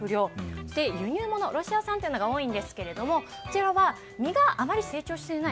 そして輸入物ロシア産というのが多いんですがこちらは身があまり成長していない。